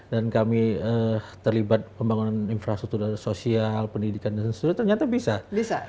kami terlibat pembangunan infrastruktur sosial pendidikan dan sebagainya ternyata bisa